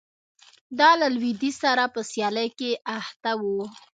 دا له لوېدیځ سره په سیالۍ کې اخته و